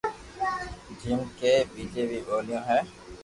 جيم ڪي ٻيجي بي ٻوليو ھي